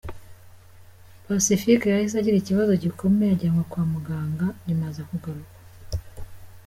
Pacifique yahise agira ikibazo gikomeye ajyanwa kwa muganga nyuma aza kugarurwa